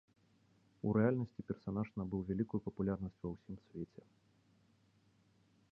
У рэальнасці персанаж набыў вялікую папулярнасць ва ўсім свеце.